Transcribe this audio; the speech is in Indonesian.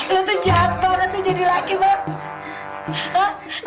lo tuh jahat banget sih jadi laki bang